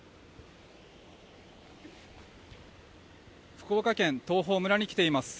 福岡県東峰村に来ています。